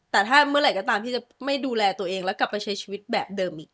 แต่ถ้าเมื่อไหร่ก็ตามที่จะไม่ดูแลตัวเองแล้วกลับไปใช้ชีวิตแบบเดิมอีก